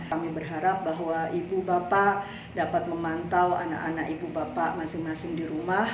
kami berharap bahwa ibu bapak dapat memantau anak anak ibu bapak masing masing di rumah